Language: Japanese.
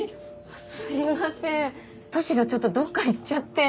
すいませんトシがちょっとどっか行っちゃって。